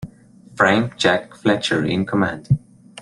Frank Jack Fletcher in command.